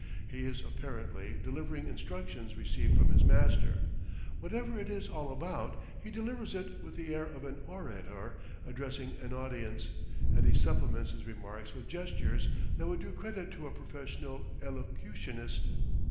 He is apparently delivering instructions received from his master; whatever it is all about, he delivers it with the air of an orator addressing an audience, and he supplements his remarks with gestures that would do credit to a professional elocutionist.